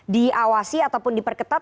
diawasi ataupun diperketat